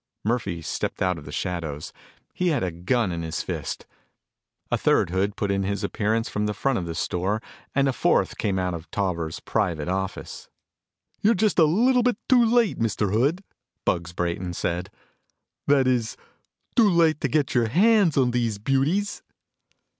Murphy stepped out of the shadows. He had a gun in his fist. A third hood put in his appearance from the front of the store and a fourth came out of Tauber's private office. "You're just a little bit too late, Mr. Hood," Bugs Brayton said. "That is, too late to get your hands on these beauties."